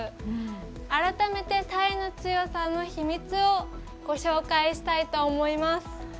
改めてタイの強さの秘密をご紹介したいと思います。